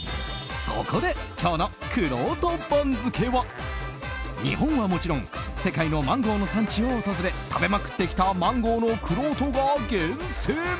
そこで、今日のくろうと番付は日本はもちろん世界のマンゴーの産地を訪れ食べまくってきたマンゴーのくろうとが厳選。